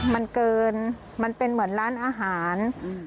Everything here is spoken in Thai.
มันเกินมันเป็นเหมือนร้านอาหาร